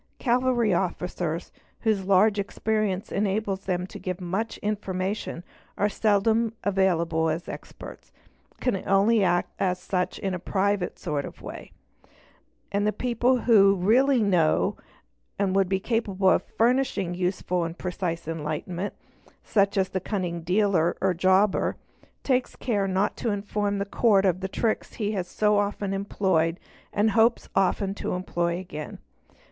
Cavalry Officers whose large experience _ enables them to give much information are seldom available as experts — and can only act as such in a private sort of way; and the person who ; really knows and would be capable of furnishing useful and precise ' enlightenment, such as the cunning dealer or jobber, takes good care not — to inform the court of the tricks he has so often employed and hopes —| often to employ again.